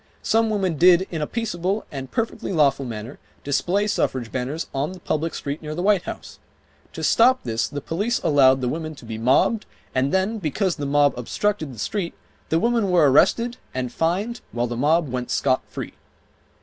Some women did in a peaceable, and perfectly lawful manner, display suffrage banners on the public street near the White House. To stop this the police allowed the women to be mobbed, and then because the mob obstructed the street, the women were arrested and fined, while the mob went scot free